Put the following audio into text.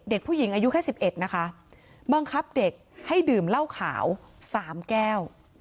เด็กผู้หญิงอายุแค่๑๑นะคะบังคับเด็กให้ดื่มเหล้าขาว๓แก้ว